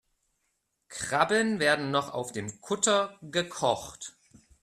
Krabben werden noch auf dem Kutter gekocht.